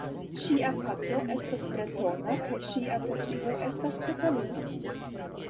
Ŝia patro estas bretona kaj ŝia patrino estas kataluna.